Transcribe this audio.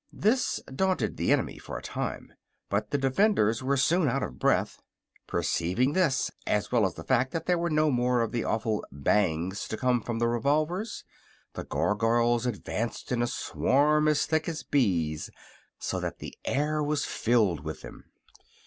This daunted the enemy for a time, but the defenders were soon out of breath. Perceiving this, as well as the fact that there were no more of the awful "bangs" to come from the revolvers, the Gargoyles advanced in a swarm as thick as bees, so that the air was filled with them.